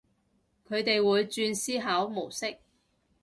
佢哋會轉思考模式